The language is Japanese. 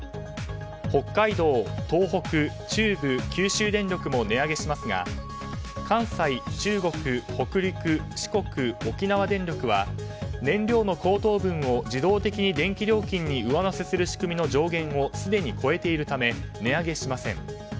北海道、東北、中部、九州電力も値上げしますが関西、中国、北陸、四国沖縄電力は燃料の高騰分を自動的に電気料金に上乗せする仕組みの上限をすでに超えているため値上げしません。